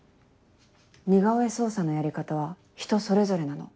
似顔絵捜査のやり方は人それぞれなの。